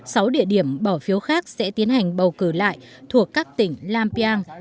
sáu địa điểm bỏ phiếu khác sẽ tiến hành bầu cử lại thuộc các tỉnh lampiang